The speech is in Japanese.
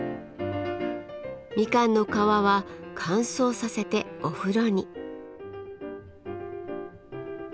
ミカンの皮は乾燥させてお風呂に。